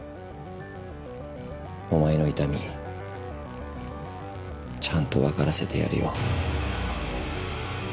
お前の痛みちゃんとわからせてやるよ。